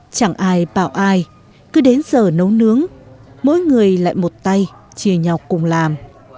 chẳng ai bảo ai cứ đến giờ nấu nướng mỗi người lại một tay chia nhau cùng làm